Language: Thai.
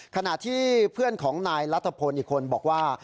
ขณะที่เพื่อนของนายรัฐพลอีกคนบอกว่า